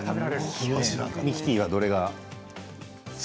ミキティはどれが？